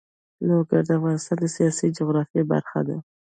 لوگر د افغانستان د سیاسي جغرافیه برخه ده.